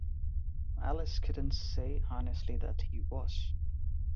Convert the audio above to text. Alice couldn’t say honestly that he was.